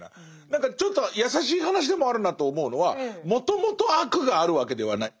何かちょっと優しい話でもあるなと思うのはもともと悪があるわけではない。